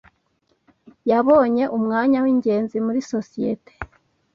Yabonye umwanya wingenzi muri sosiyete.